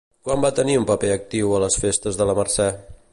Quan va tenir un paper actiu a les Festes de la Mercè?